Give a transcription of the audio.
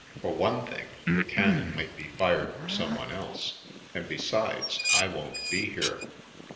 "For one thing, the cannon might be fired for someone else, and besides, I won't be here."